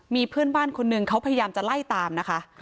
มีเพื่อนบ้านคนหนึ่งเขาพยายามจะไล่ตามนะคะ